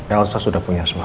elsa sudah punya suami